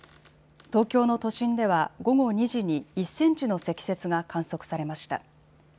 東京の都心では午後２時に１センチの積雪が観測されました。